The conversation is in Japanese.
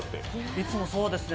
いつもそうですね